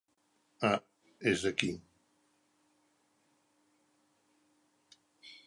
Ah, és aquí.